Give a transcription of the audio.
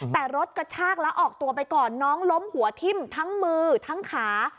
แต่รถกระชากแล้วออกตัวไปก่อนน้องล้มหัวทิ่มทั้งมือทั้งขา